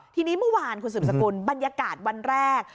ทีนี้เมื่อวานคุณสืบสกุลบรรยากาศวันแรก